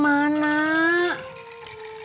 emak dari mana